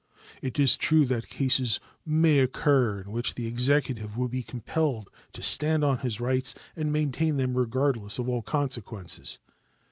It is true that cases may occur in which the Executive would be compelled to stand on its rights, and maintain them regardless of all consequences.